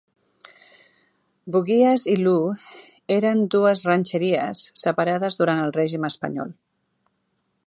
Buguias i Loo eren dues "rancherias" separades durant el Règim espanyol.